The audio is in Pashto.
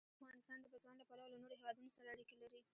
افغانستان د بزګان له پلوه له نورو هېوادونو سره اړیکې لري.